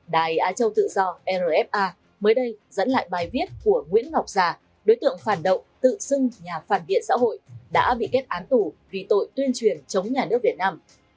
đài á châu tự do rfa mới đây dẫn lại bài viết của nguyễn ngọc già đối tượng phản động tự xưng nhà phản viện xã hội đã bị kết án tù vì tội tuyên truyền chống nhà nước việt nam